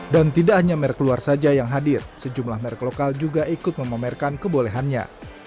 dan tidak hanya merek luar saja yang hadir sejumlah merek lokal juga ikut memamerkan kebolehannya